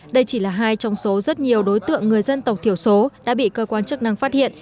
đây chỉ là hai trong số rất nhiều đối tượng người dân tộc thiểu số đã bị cơ quan chức năng phát hiện